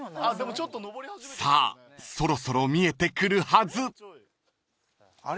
［さあそろそろ見えてくるはず］あれ？